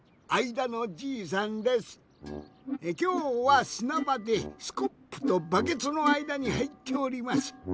きょうはすなばでスコップとバケツのあいだにはいっております。